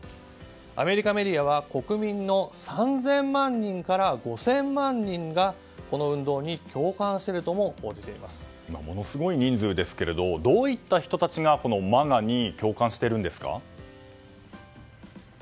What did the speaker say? アメリカメディアは国民の３０００万人から５０００万人がこの運動に共感しているともものすごい人数ですけれどどういった人たちがＭＡＧＡに共感してるんですか。